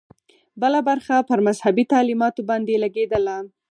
بله برخه پر مذهبي تعلیماتو باندې لګېدله.